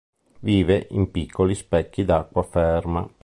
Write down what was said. Vive in piccoli specchi d'acqua ferma.